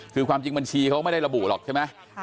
คือความจริงบัญชีเขาไม่ได้ระบุหรอกใช่ไหม